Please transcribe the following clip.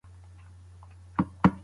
خو د خاموشۍ رنګ اوس بدل شوی و.